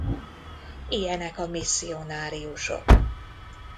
Ilyenek a misszionáriusok.